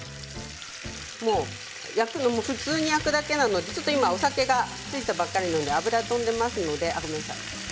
焼くの普通に焼くだけなので今、お酒がついたばかりなので油が飛んでいますのでごめんなさいね。